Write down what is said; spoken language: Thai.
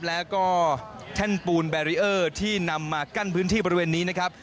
แล้วก็แท่นปูนแบรีเออร์ที่นำมากั้นพื้นที่บริเวณนี้นะครับ